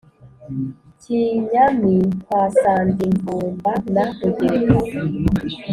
kinyami kwa sandi mvumba na rugereka